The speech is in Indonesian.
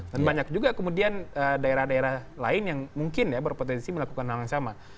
dan banyak juga kemudian daerah daerah lain yang mungkin ya berpotensi melakukan hal yang sama